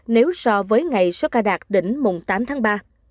nếu so với ngày số ca đạt đỉnh mùng tám tháng ba